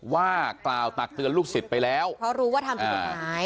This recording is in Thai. ว่ากล่าวตักเตือนลูกศิษย์ไปแล้วเพราะรู้ว่าทำผิดกฎหมาย